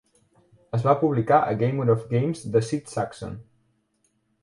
Es va publicar a "A Gamut of Games", de Sid Sackson.